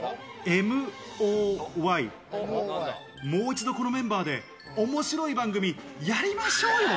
ＭＯＹ、もう一度、このメンバーで面白い番組、やりましょうよ！